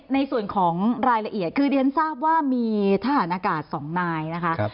ในส่วนของรายละเอียดคือเรียนทราบว่ามีทหารอากาศ๒นายนะคะ